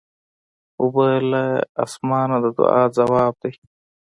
اوبه له اسمانه د دعا ځواب دی.